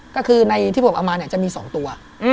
ก็คือในที่ผมเอามาเนี่ยจะมี๒ตัว